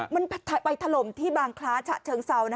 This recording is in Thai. มันไปถล่มที่บางคล้าฉะเชิงเซา